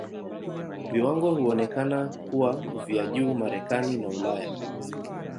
Viwango huonekana kuwa vya juu Marekani na Ulaya.